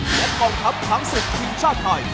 และกองทัพช้างศึกทีมชาติไทย